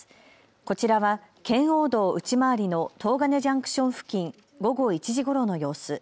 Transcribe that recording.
こちらは圏央道内回りの東金ジャンクション付近、午後１時ごろの様子。